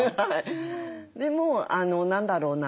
でも何だろうな